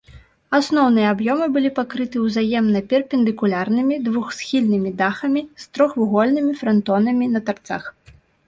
Асноўныя аб'ёмы былі пакрыты ўзаемна перпендыкулярнымі двухсхільнымі дахамі з трохвугольнымі франтонамі на тарцах.